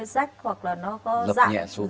rách hoặc là nó có dạng